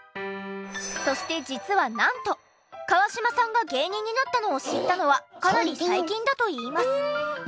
そして実はなんと川島さんが芸人になったのを知ったのはかなり最近だといいます。